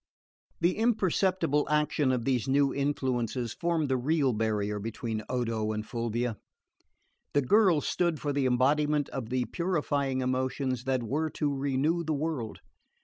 The imperceptible action of these new influences formed the real barrier between Odo and Fulvia. The girl stood for the embodiment of the purifying emotions that were to renew the world.